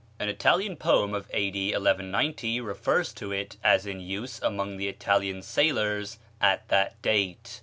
An Italian poem of A.D. 1190 refers to it as in use among the Italian sailors at that date.